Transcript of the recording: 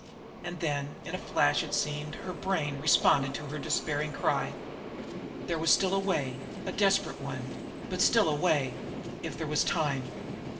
And then, in a flash, it seemed, her brain responded to her despairing cry. There was still a way a desperate one but still a way if there was time!